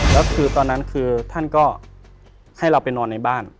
แล้วคือตอนนั้นคือท่านก็ให้เราไปนอนในบ้าน